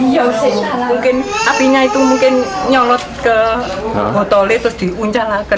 ya apinya itu mungkin nyolot ke botol itu diuncalakan